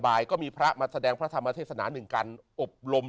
บุญที่หนึ่งและสองกฎกาคม